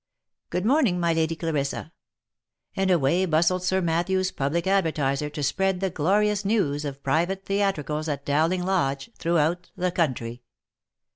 Good morning, my Lady Clarissa," and away bustled Sir Matthew's public advertiser to spread the glorious news of private theatricals at Dowling Lodge, throughout the country.